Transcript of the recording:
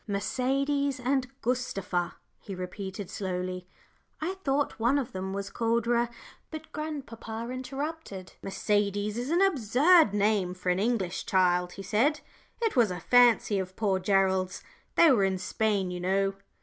"Mercedes and Gustava," he repeated, slowly. "I thought one of them was called Re " But grandpapa interrupted him. "Mercedes is an absurd name for an English child," he said. "It was a fancy of poor Gerald's they were in Spain, you know."